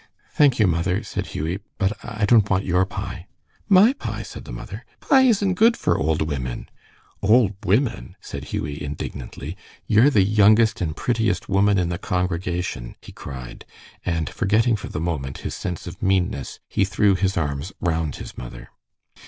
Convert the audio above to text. "Thank you, mother," said Hughie. "But I don't want your pie." "My pie!" said the mother. "Pie isn't good for old women." "Old women!" said Hughie, indignantly. "You're the youngest and prettiest woman in the congregation," he cried, and forgetting for the moment his sense of meanness, he threw his arms round his mother.